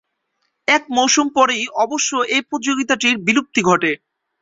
এক মৌসুম পরই অবশ্য এ প্রতিযোগিতাটির বিলুপ্তি ঘটে।